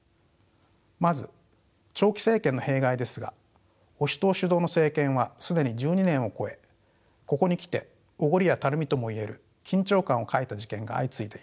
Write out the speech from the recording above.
まず長期政権の弊害ですが保守党主導の政権は既に１２年を超えここに来ておごりやたるみともいえる緊張感を欠いた事件が相次いでいます。